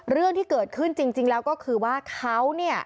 เรื่องที่เกิดขึ้นจริงแล้วก็คือว่าเขาเนี่ย